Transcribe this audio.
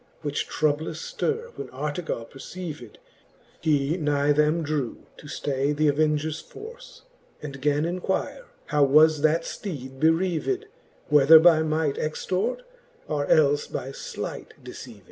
Which troublous ftirre when Artegall perceived. He nigh them drew to ftay th'avengers forle, And gan inquire, how was that fteed bereaved, Whether by might extort, or elfe by flight deceaved.